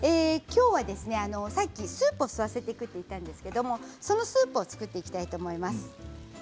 さっきスープを吸わせていくと言ったんですが、そのスープを作っていきたいと思います。